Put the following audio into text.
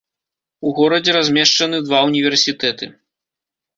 У горадзе размешчаны два ўніверсітэты.